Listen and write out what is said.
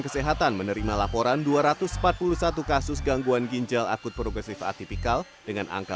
kesehatan menerima laporan dua ratus empat puluh satu kasus gangguan ginjal akut progresif atipikal dengan angka